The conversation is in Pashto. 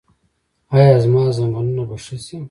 ایا زما زنګونونه به ښه شي؟